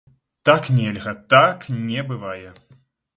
Так нельга, так не бывае.